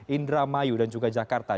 indramayu dan juga jakarta